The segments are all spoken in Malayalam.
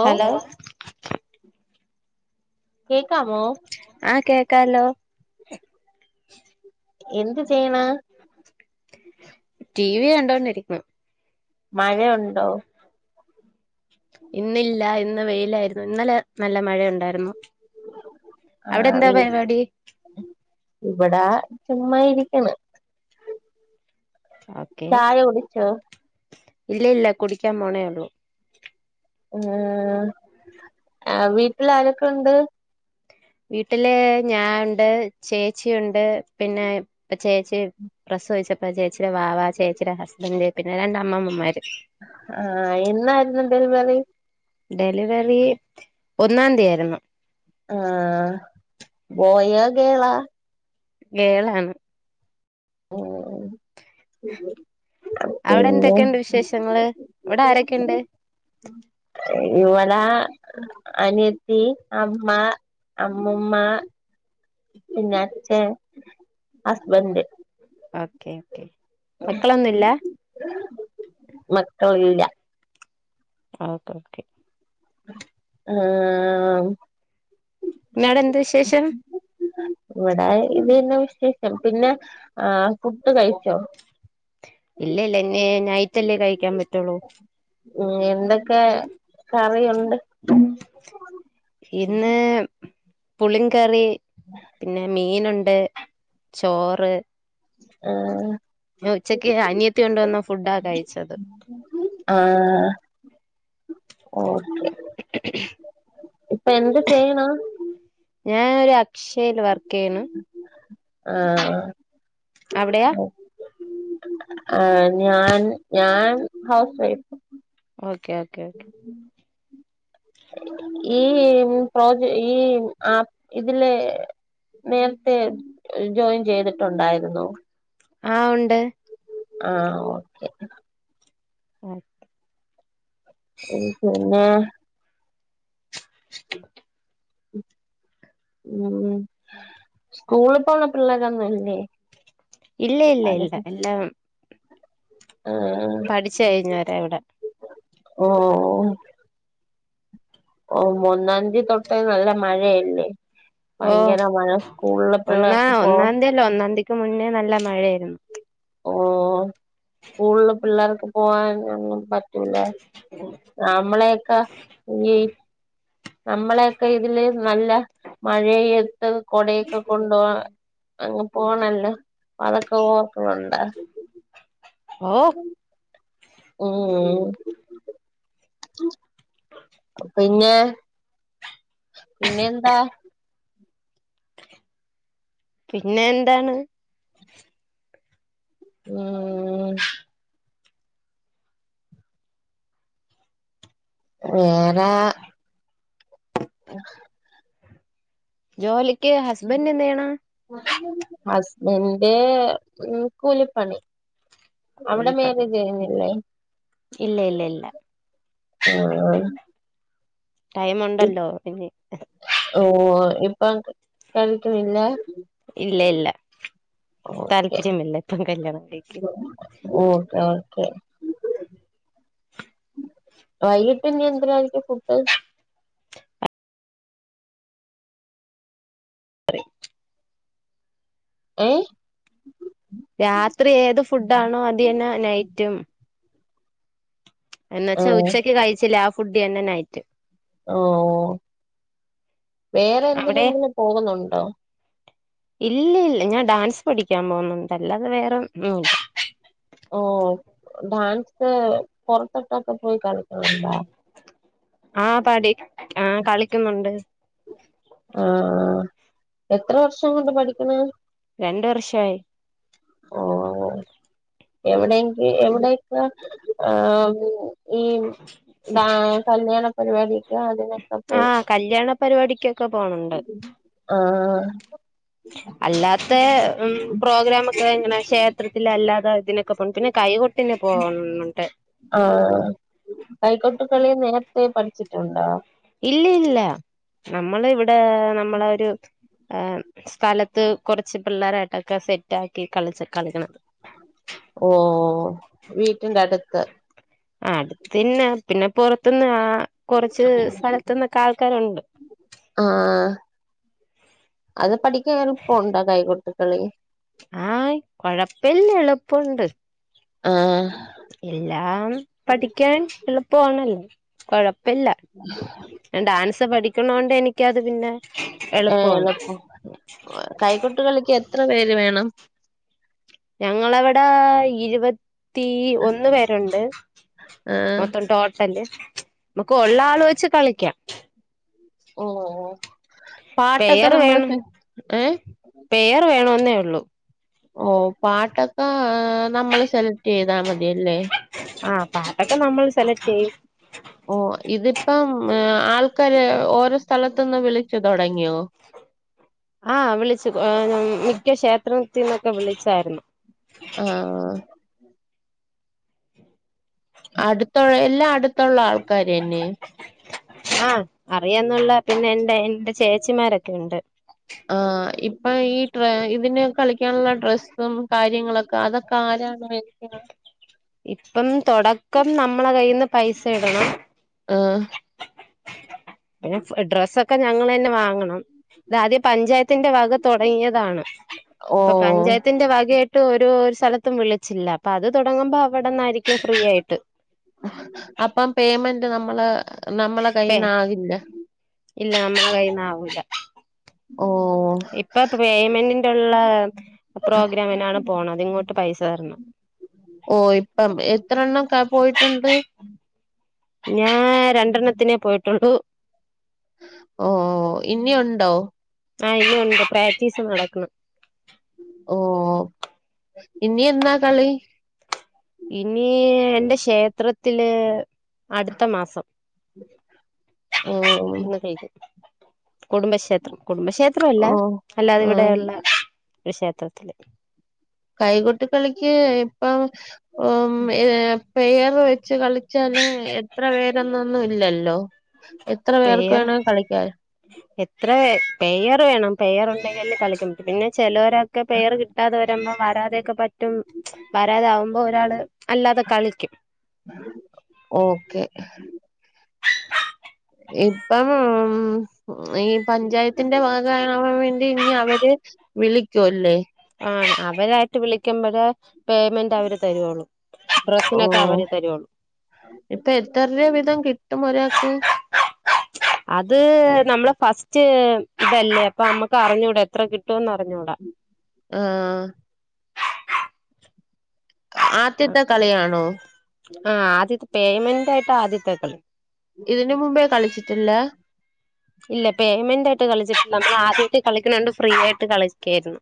ഹലോ കേക്കാമോ ആ കേക്കാലോ എന്ത് ചെയ്യണ് ടി വി കണ്ടോണ്ടിരിക്ക്ന് മഴ ഉണ്ടോ ഇന്നില്ല ഇന്ന് വെയിലായിരുന്നു ഇന്നലെ നല്ല മഴയുണ്ടായിരുന്നു ആ അവിടെ എന്താ വി പരിപാടി ഇവിടെ ചുമ്മാ ഇരിക്കണ് ഓക്കെ ചായ കുടിച്ചോ ഇല്ല ഇല്ല കുടിക്കാൻ പോണേ ഉള്ളൂ ഉം ആ വീട്ടിൽ ആരൊക്കെ ഉണ്ട് വീട്ടില് ഞാ ഉണ്ട് ചേച്ചി ഉണ്ട് പിന്നെ ഇപ്പ ചേച്ചി പ്രസവിച്ചപ്പോ ചേച്ചിയുടെ വാവ ചേച്ചിയുടെ ഹസ്ബന്ഡറ് പിന്നെ രണ്ട് അമ്മമ്മമാര് ആ എന്നായിരുന്നു ഡെലിവറി ഡെലിവറി ഒന്നാം തീയായിരുന്നു ആ ബോയോ ഗേളാ ഗേളാണ് ഉം [unintelligible] അവിടെ പിന്നെ എന്തൊക്കെയുണ്ട് വിശേഷങ്ങള് അവിടെ ആരൊക്കെണ്ട് ഇവടെ അനിയത്തി അമ്മ അമ്മുമ്മ പിന്നെ അച്ഛൻ ഹസ്ബന്റ് ഓക്കെ ഓക്കെ മക്കളൊന്നുംല്ല മക്കള് ഇല്ല ഓക്കെ ഓക്കെ ആ പിന്നെ അവിടെ എന്ത് വിശേഷം ഇവിടെ ഇതെന്നെ വിശേഷം പിന്നെ ആ ഫുഡ് കഴിച്ചോ ഇല്ല ഇല്ല ഇനി നൈറ്റല്ലേ കഴിക്കാൻ പറ്റുള്ളു ഉം എന്തൊക്കെ കറിയുണ്ട് ഇന്ന് പുളികറി പിന്നെ മീനുണ്ട് ചോറ് ആഹ് പിന്നെ ഉച്ചക്ക് അനിയത്തി കൊണ്ടുവന്ന ഫുഡാ കഴിച്ചത് ഓക്കെ ഇപ്പൊ എന്ത് ചെയ്ണ് ഞാനൊരു അക്ഷയിൽ വർക്ക് ചെയ്യണ് ആഹ് അവിടെയാ ആഹ് ഞാൻ ഞാൻ housewife okay okay okay ഈ പ്രോജ ഈ ആപ്പ് ഇതിലെ നേരത്തെ ജോയിൻ ചെയ്തിട്ടുണ്ടായിരുന്നോ ആഹ് ഉണ്ട് ആഹ് ഓക്കെ ആഹ് ഉം പിന്നെ ഉം സ്കൂളിൽ പോണ പിള്ളേരൊന്നുമില്ലേ ഇല്ല ഇല്ല ഇല്ല എല്ലാം ആഹ് പഠിച്ച് കഴിഞ്ഞോരാ ഇവിടെ ഓ ഉം ഓ ഒന്നാം തിയതി തൊട്ടേ നല്ല മഴയല്ലേ ഓ ഭയങ്കര മഴ സ്കൂളുള്ള ഒന്നാ പിള്ളേർക്ക് പോ ഒന്നാം തീയല്ല ഒന്നാം മുന്നേ നല്ല മഴയായിരുന്നു ഓ സ്കൂളില് പിള്ളേർക്ക് പോകാൻ ഒന്നും പറ്റൂലേ നമ്മളെയൊക്കെ ഈ നമ്മളെയൊക്കെ ഇതില് നല്ല മഴയെത്തും കൊടയൊക്കെ കൊണ്ടുപോകാ അങ്ങ് പോണല്ലോ അതൊക്കെ ഓർക്കണുണ്ടാ ഓ മ്മ് പിന്നിയാ പിന്നെ എന്താ പിന്നെ എന്താണ് ഉം വേറെ ജോലിക്ക് ഹസ്ബൻഡ് എന്തെയ്യെണ് ഹസ്ബന്റ് മ് കൂലിപ്പണി അവിടെ കൂലിപ്പണി മേരേജ് കഴിഞ്ഞില്ലേ ഇല്ല ഇല്ല ഇല്ല ആഹ് ആഹ് ടൈമുണ്ടല്ലോ ഇനി ഓ ഇപ്പം കഴിക്കുന്നില്ല ഇല്ല ഇല്ല ഓക്കെ താല്പര്യമില്ല ഇപ്പം കല്യാണം കഴിക്കാൻ ഓക്കെ ഓക്കെ വൈകിട്ടിനി എന്തരായിരിക്കും ഫുഡ് [unintelligible] ഏഹ് രാത്രി ഏത് ഫുഡാണോ അതെന്നെ നൈറ്റും ആ എന്നുവെച്ചാ ഉച്ചക്ക് കഴിച്ചില്ലേ ആ ഫുഡ് തന്നെ നൈറ്റും ഓ വേറെ എന്തിനെങ്കിലും പോകുന്നുണ്ടോ ഇല്ലില്ല ഞാ ഡാൻസ് പഠിക്കാൻ പോന്നുണ്ട് അല്ലാതെ വേറെഉം ഒന്നുല്ല ഓ ഡാൻസ് പൊറതൊട്ടൊക്കെ പോയി കളിക്കാനുണ്ടോ ആ [unintelligible] ആ പഠി ആ കളിക്കുന്നൊണ്ട് ആ എത്ര വർഷം കൊണ്ട് പഠിക്കണ് രണ്ട് വർഷവായി ഓ എവിടെങ്കി എവിടെക്കെ ആഹ് ഈ ടാ കല്യാണ പരിപാടി [unintelligible] അതിനൊക്കെ ആ പോയി കല്യാണ പരിപാടിക്കൊക്കെ പോണുണ്ട് ആഹ് അല്ലാത്തെ ഉം പ്രോഗ്രാമൊക്കെ എങ്ങന ക്ഷേത്രത്തിലെ അല്ലാതെ ഇതിനൊക്കെ പോവും കൈകൊട്ടിന് പോന്നുണ്ട് ആഹ് കൈകൊട്ട് കളിയും നേരത്തെ പഠിച്ചിട്ടുണ്ടോ? ഇല്ലില്ല നമ്മള് ഇവിടെ നമ്മളൊരു ആഹ് സ്ഥലത്ത് കൊറച്ച് പിള്ളാരായ്ട്ടൊക്കെ സെറ്റാക്കി കളിച്ച കളികളാ ഓഹ് വീട്ടിന്റെ അടുത്ത്. ആഹ് അട്ത്തിന്നെ പിന്നെ പൊറത്ത്ന്ന് ആ കൊറച്ച് സ്ഥലത്തുന്നൊക്കെ ആൾക്കാരുണ്ട്. ആ അത് പഠിക്കാ എള്പ്പൊണ്ടോ കൈകൊട്ടികളി ആഹ കൊഴപ്പില്ല എളുപ്പൊണ്ട് ആ എല്ലാം പഠിക്കാൻ എളുപ്പവാണല്ലോ കൊഴ പ്പില്ല ഞാന് ഡാൻസ് പഠിക്കണോണ്ട് എനിക്കത് പിന്നെ ഏ എളുപ്പമാണ് എളുപ്പം കൈകൊട്ടുകളിക്ക് എത്ര പേര് വേണം ഞങ്ങളവടെ ഇരുപത് തീ ഒന്ന് പേരൊണ്ട് ആഹ് മൊത്തം ടോട്ടല് നമ്കൊള്ള ആള് വെച്ച് കളിക്കാം ഓ ഓ പെയറ് വേണം ഏഹ് പേയറ് വേണോന്നെ ഉള്ളു ഓ പാട്ടൊക്ക നമ്മള് സെലക്ട് ചെയ്താമതി മതിയല്ലെ ആഹ് പാട്ടൊക്കെ നമ്മൾ സെലക്ട് ചെയ്യും ഓ ഇത് ഇപ്പം എ ആൾക്കാര് ഓരോ സ്ഥലത്ന്ന് വിളിച്ച് തൊടങ്ങിയോ ആ വിളിച്ചു ആ മിക്ക ക്ഷേത്രത്തിന്നൊക്കെ വിളിച്ചാര്ന്നു ആ അടുതൊള്ള എല്ലാ അടുതൊള്ള ആൾക്കാര്അന്നെ ആ അറിയന്നുള്ള പിന്നെ എന്റെ എന്റെ ചേച്ചിമാരൊക്കെ ഒണ്ട് ഇപ്പ ഈ ട്രാ ഇതിന് കളിക്കാനുള്ള ഡ്രെസ്സും കാര്യങ്ങളൊക്ക അതൊക്കെ ആരാണ് മേടിക്കണ ഇപ്പം തൊടക്കം നമ്മളെ കയ്യിന്ന് പൈസ ഇടണം ആ പിന്നെ ഡ്രസ്സൊക്കെ ഞങ്ങള്അന്നെ വാങ്ങണം ഇതാദ്യ പഞ്ചായത്തിന്റെ വക തൊടങ്ങിയതാണ് അപ്പ ഓഹ് പഞ്ചായത്തിന്റെ വകയായിട്ട് ഓരോ സ്ഥലത്തും വിളിച്ചില്ല അപ്പ അത് തൊടങ്ങുമ്പോ അവടന്നാരിക്കും ഫ്രീ ആയ്ട്ട് അപ്പം പേയ്മെന്റ് നമ്മള നമ്മളെ പേ കയ്യിന്ന് ആകില്ല ഇല്ല നമ്മള കൈയിന് ആകൂല്ല ഓ ഇപ്പ പേയ്മെന്റിന്റുള്ള പ്രോഗ്രാമിനാണ് പോണത് ഇങ്ങോട്ട് പൈസ തര്ണം ഓ ഇപ്പം എത്ര എണ്ണം ക പോയ്ട്ടൊണ്ട് ഞാ രണ്ടെണ്ണത്തിനെ പോയ്ട്ടുള്ളു ഓ ഇനിഉണ്ടോ ആ ഇനി ഒണ്ട് പ്രാക്റ്റീസ് മൊടക്കണം ഓ ഇനി എന്നാ കളി ഇനി എന്റെ ക്ഷേത്രത്തില് അടുത്ത മാസം ഓ ഇന്ന് കൈഞ്ഞു കുടുംബക്ഷേത്രം കുടുംബക്ഷേത്രം അല്ല ഓ അല്ലാതെ ആഹ് ഇവിടെയള്ള ഒരുക്ഷേത്രത്തില് കൈകൊട്ട കളിക്ക് ഇപ്പം ഏ പേർ വെച്ച് കളിച്ചാലും എത്ര പേരൊന്നൊന്നും ഇല്ലല്ലോ എത്ര പേർക്ക് പേർ വേണേ കളിക്കാം എത്ര പേർ വേണം പയ്യർുണ്ടെങ്കിലല്ലേ കളിക്കമ്പറ്റു പിന്നെ ചിലർ പേർ കിട്ടാതെ വരുമ്പോ വരാതെയക്കെ പറ്റും വരാക അ ഒരാള് അല്ലാതെ കളിക്കും ഓക്കെ ഇപ്പം ഉം ഈ പഞ്ചായത്തിന്റെ ഭാ കാവാൻ വേണ്ടി ഇനി അവര് വിളിക്കുംല്ലേ ആ അവരായിട്ട് വിളിക്കുമ്പോഴേ പേയ്മെന്റ് അവര് തരുുള്ളു ഓ ഇപ്പൊ എത്രർവ വിധം കിട്ടും ഒരാൾക്ക് അത് നമ്മള് ഫസ്റ്റ് ഇതല്ലേ അപ്പൊ നമ്മുക്ക് അറിഞ്ഞൂടാ എത്ര കിട്ടുവന്ന് അറിഞ്ഞൂടാ ആഹ ആ ആദ്യത്തെ കളിയാണോ ആ ആദ്യത്തെ പേയ്മെന്റ് ആയിട്ട് ആദ്യത്തേക്കള ഇതിന്ന മുമ്പേ കളിച്ചിട്ടില്ല ഇല്ല പേയ്മെന്റ് ആയിട്ട് കളിച്ചിട്ടുണ്ട് നമ്മൾ ആദ്യട്ട് കളിക്കണണ്ട് ഫ്രീ ആയിട്ട് കളിക്കായിരുന്നു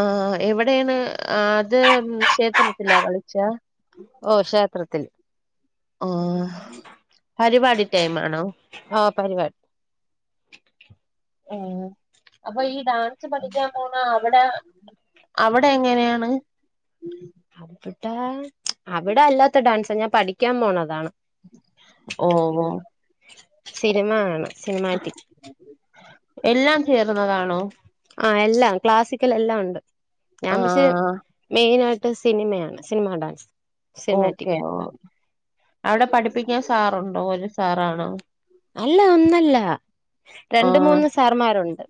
ആ എവിടെയാണ് അത് ക്ഷേത്രത്തിലാ കളിച്ച ത്തില് ആ പരിപാടി ടൈം ആണോ ഓ പരിപാടി ഉം അപ്പൊ ഈ ഡാൻസ് പഠിക്കാൻ പോണ അവിടെ അവിടെ എങ്ങനെയാണ് അവിട അവിടെ അല്ലാത്ത ഡാൻസാ ഞാൻ പഠിക്കാൻ പോണതാണ് ഓഹ് ഓഹ് സിനിമ ആണ് സിനിമാറ്റിക് എല്ലാം ചേർന്നതാണോ ആ എല്ലാം ക്ലാസിക്കൽ എല്ലാം ഉണ്ട് ഞാൻ പക്ഷെ ആഹ് മെയിന ആയിട്ട് സിനിമയാണ് സിനിമ ഡാൻസ് സിനിമാറ്റിക് ഓക്കെ അവിടെ പഠിപ്പിക്കാൻ സാറുണ്ടോ ഒരു സാറാണോ അല്ല ഒന്നല്ല രണ്ട് ആഹ് മൂന്ന് സാർമാരുണ്ട്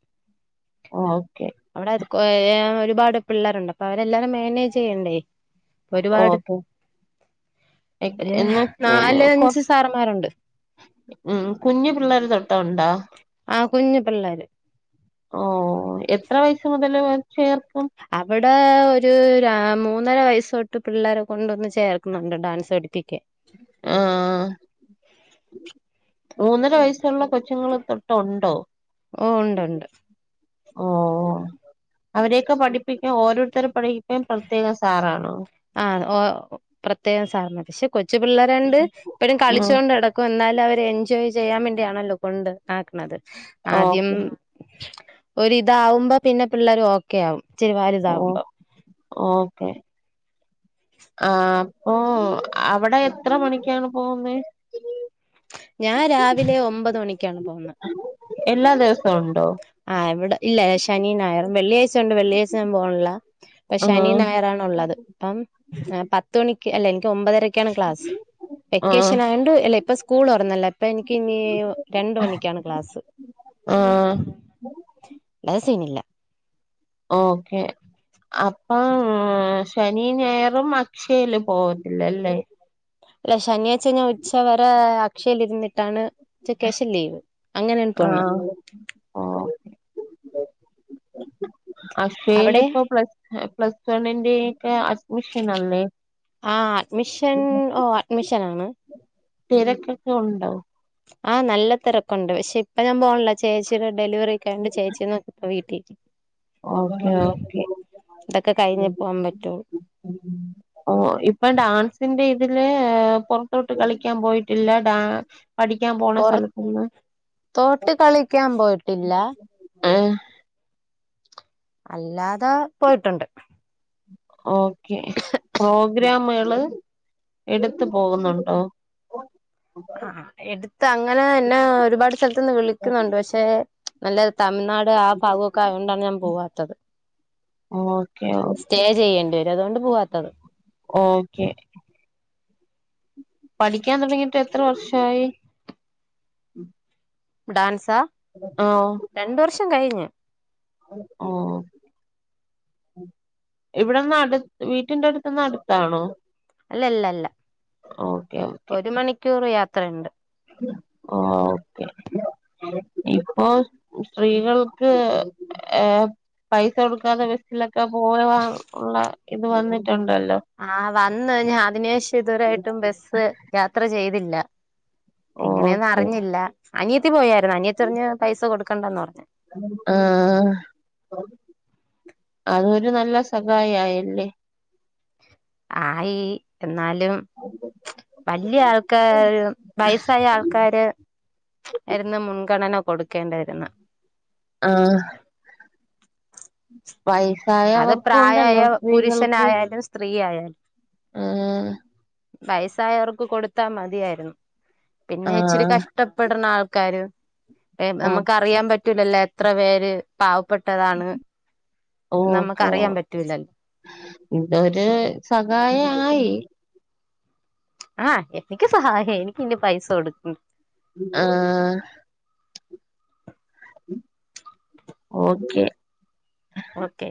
ഓക്കെ അവിടെ അത് ഒരു [inaudible] ഒരുപാട് പിള്ളേരുണ്ട് അപ്പ അവരെല്ലാരും മാനേജ് ചെയ്യണ്ടേ ഒരുപാട് ഓക്കെ ഒരു എന്ന നാലഞ്ച് സാറമാരുണ്ട് ഉം കുഞ്ഞു പിള്ളേർ തൊട്ടണ്ടോ ആ കുഞ്ഞു പിള്ളേര് ഓ എത്ര വയസ മുതൽ അവിടെ ഒരു മൂന്നര വയസ്സ് തൊട്ട് പിള്ളേരെ കൊണ്ടൊന്ന് ചേർക്കുന്നുണ്ട് ഡാൻസ് പടുപ്പിക്കാൻ ആഹ മൂന്നര വയസ്സുള്ള കൊച്ചുങ്ങൾ തൊട്ടുണ്ടോ ഓ ഉണ്ട് ഉണ്ട് ഓ അവരെയൊക്കെ പഠിപ്പിക്കാ ഓരോരുത്തരെ പഠി ൻ പ്രത്യേകം സാറാണോ ആഹ് ഓ പ്രത്യേകം സാറമാര് പക്ഷെ കൊച്ചു പിള്ളേരണ്ട് ഇപ്പോഴും കളിച്ചു ഉം കൊണ്ട് ടക്കും എന്നാലും എല്ലാരും എൻജോയ് ചെയ്യാൻ വേണ്ടിയാണല്ലോ കൊണ്ട് ആക്കണത് ആദ്യം ഓക്കെ ഒരിതാവുമ്പോ പിന്നെ പിള്ളേർ ഓക്കെ ആവും ഇച്ചിര ഓ വലുതാവുമ്പോ ഓക്കെ ആ അപ്പൊ അവിടെ എത്ര മണിക്കാണ് പോകുന്നത് ഞാൻ രാവിലെ ഒമ്പത് മണിക്കാണ് പോകുന്നത് എല്ലാ ദിവസവും ഉണ്ടോ ആഹ് ഇവിടെ ഇല്ല ശനി ഞായറും വെള്ളിയാഴ്ച ഉണ്ട് വെള്ളിയാഴ്ച ഞാൻ പോണില്ല പക്ഷ ശനി ആഹ് ഞായറണുള്ളത് അപ്പം പത്ത മണിക്ക്. അല്ല എനിക്ക് ഒമ്പതരക്കെയാണ് ക്ലാസ് ആഹ് വെക്കേഷൻ ആയണ്ട് അല്ലേ ഇപ്പ സ്കൂൾ തുറന്നല്ല ഇപ്പ എനിക്ക് ഇനി രണ്ട് മണിക്കാണ് ക്ലാസ് ആ അത് സിനില്ല. ഓക്കെ അപ്പം ശനി ഞായറും അക്ഷയില് പോവുതില്ലല്ലേ അല്ലെ ശനിയാഴ്ച ഞാൻ ഉച്ചവരെ അക്ഷയില്ലരുന്നിട്ടാണ് ഉച്ചക്ക് ശേഷം ലീവ് അങ്ങനെയാണ് പോണ ആഹ് ഓ അക്ഷയില് അവിടെ ഇപ്പൊ പ്ലസ് പ്ലസ് വണ്ണിന്റെയും ക്ക അഡ്മിഷൻ അല്ലേ ആ അഡ്മിഷൻ ഓ അഡ്മിഷൻ ആണ് തിരക്കൊക്കെ ഉണ്ടൊ ആഹ് നല്ല തിരക്കുണ്ട് പക്ഷെ ഇപ്പ ഞാൻ പോണില്ല ചേച്ചിയുടെ ഡെലിവറി ഒക്കെണ്ട് ചേച്ചിന്ന്നോക്കി വീട്ടീ ഓക്കെ ഓക്കെ ഇതൊക്കെ കഴിഞ്ഞേ പോകാൻ പറ്റുള്ളൂ ഓ ഇപ്പൊ ഡാൻസിന്റെ ഇതില് പൊറത്തോട്ട് കളിക്കാൻ പോയിട്ടില്ല ഡ പഠിക്കാൻ പോവണ സ്ഥലത്തിന്ന് പുറത്തോട്ട് കളിക്കാൻ പോയിട്ടില്ല ഏഹ് അല്ലാതെ പോയിട്ടുണ്ട്. ഓക്കെ പ്രോഗ്രമേള് എടുത്ത് പോവുന്നുണ്ടോ? ആഹ് ഹാ എടുത്ത് അങ്ങനെ എന്നെ ഒരുപാട് സ്ഥലത്ത് നിന്ന് വിളിക്കുന്നുണ്ട്. പക്ഷെ നല്ല തമിഴ്നാട് ആ ഭാഗൊക്കെ ആയോണ്ടാണ് ഞാൻ പോവാത്തത്. ഓക്കെ ഓക്കെ സ്റ്റേ ചെയ്യേണ്ടി വരും. അതോണ്ട് പോവാത്തത്. ഓക്കെ പഠിക്കാൻ തുടങ്ങിയിട്ട് എത്ര വർഷായി? ബ് ഡാൻസ് ആഹ് ട്ടും കഴിഞ് ആഹ് ഇവിടെന്ന് അടുത്ത് വീട്ടിന്റെ അടുത്ത്ന്ന് അടുത്താണോ? അല്ലല്ലല്ല ഓക്കെ ഓക്കെ ഒരു മണിക്കൂർ യാത്രയുണ്ട്. ഓക്കെ ഇപ്പോ സ്ത്രീകൾക്ക് ഏഹ് പൈസ കൊടുക്കാതെ ബസ്സിലൊക്കെ പോവാൻ ഉള്ള ഇത് വന്നിട്ടു ആഹ് വന്ന് ഞാൻ അതിനേഷം ഇതുവരായിട്ടും ബസ്സ് യാത്ര ചെയ്തില്ല. എങ്ങനെയാന്ന് ഓക്കെ അറിഞ്ഞില്ല അനിയത്തി പോയാര് - അനിയത്തി പറഞ്ഞു പൈസ കൊടുക്കണ്ടന്ന് പറഞ്ഞു ആഹ് അതൊരു നല്ല സഹായിയില്ലേ ആയി എന്നാലും വലിയ ആൾക്കാര് വയസായ ആൾക്കാര്- വെറുന്നെ മുൻഗണന കൊടുക്കേണ്ടായിരുന്നേ ആഹ് അത് വയസായവർക്കും പ്രായമായ ഉണ്ടല്ലോ സ്ത്രീകൾക്കും പുരുഷനായാലും സ്ത്രീ ആഹ് വയസായവർക്ക് കൊടുത്താ മതിയായിരുന്നു പിന്നെ ഇച്ചിരി ആഹ് കഷ്ടപ്പെടുന്ന ആൾ ക്കാര് ഓ നമുക്കറിയാൻ പറ്റൂലല്ലോ എത്ര പേര് പാവപ്പെട്ടതാണ് ഓ [unintelligible] നമുക്ക് ഓ അറിയാൻ പറ്റൂലല്ലോ ഇതൊരു സഹായായി ആ എനിക്ക് സഹായായി എനിക്കിനി പൈസ കൊടുക്ക ആഹ് ഓക്കെ ഓക്കേ